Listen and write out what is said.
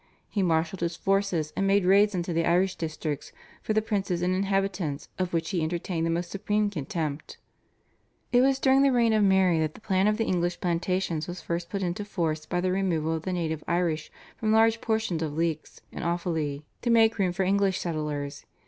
He marshalled his forces and made raids into the Irish districts, for the princes and inhabitants of which he entertained the most supreme contempt. It was during the reign of Mary that the plan of the English Plantations was first put into force by the removal of the native Irish from large portions of Leix and Offaly to make room for English settlers.